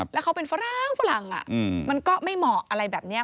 แล้วเขาเป็นฝรั่งฝรั่งมันก็ไม่เหมาะอะไรแบบนี้